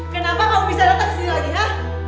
kenapa kamu bisa datang ke sini lagi ya